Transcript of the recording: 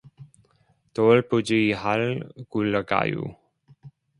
돌부지 할 굴러가유